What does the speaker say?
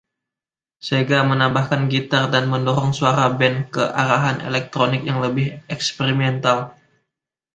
Sega menambahkan gitar dan mendorong suara band ke arahan elektronik yang lebih eksperimental.